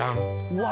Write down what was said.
うわ。